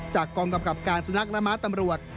จากกรรมกรับการสุนัขรามะตำรวจ